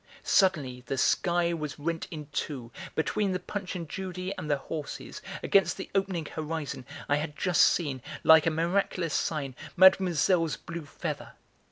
Suddenly the sky was rent in two: between the punch and judy and the horses, against the opening horizon, I had just seen, like a miraculous sign, Mademoiselle's blue feather.